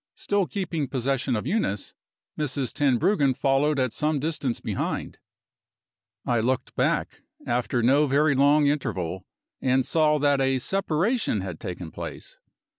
Still keeping possession of Eunice, Mrs. Tenbruggen followed at some distance behind. I looked back, after no very long interval, and saw that a separation had taken place. Mrs.